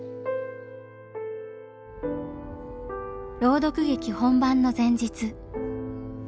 朗読劇本番の前日。